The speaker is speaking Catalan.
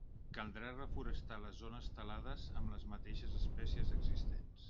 Caldrà reforestar les zones talades amb les mateixes espècies existents.